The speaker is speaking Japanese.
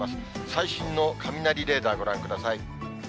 最新の雷レーダーご覧ください。